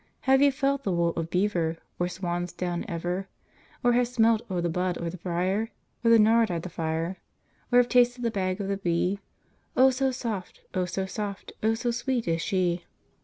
Have you felt the wool of beaver? Or swan's down ever? Or have smelt o' the bud o' the brier? Or the nard i' the fire? Or have tasted the bag of the bee? Oh, so white! oh, so soft! oh, so sweet is she!'